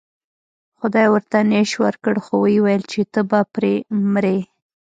خدای ورته نیش ورکړ خو و یې ویل چې ته به پرې مرې.